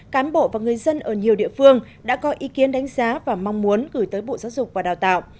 cán bộ và người dân ở nhiều địa phương đã có ý kiến đánh giá và mong muốn gửi tới bộ giáo dục và đào tạo